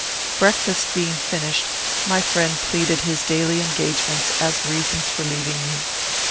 Breakfast being finished, my friend pleaded his daily engagements as reasons for leaving me.